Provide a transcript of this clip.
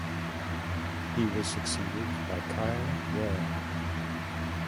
He was succeeded by Kyle Warren.